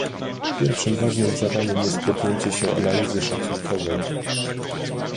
Pierwszym ważnym zadaniem jest podjęcie się analizy szacunkowej